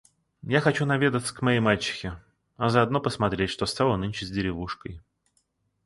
Я хочу наведаться к моей мачехе, а заодно посмотреть, что стало нынче с деревушкой.